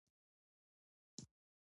دوی له ګډون څخه انکار نه کاوه.